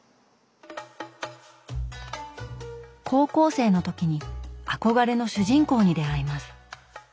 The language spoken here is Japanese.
高校生の時に憧れの主人公に出会います。